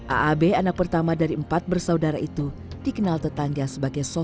aab anak pertama dari empat bersaudara itu dikenal tetangga sebagai sosok